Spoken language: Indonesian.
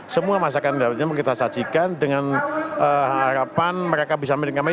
semua masakan yang kita sajikan dengan harapan mereka bisa melengkapi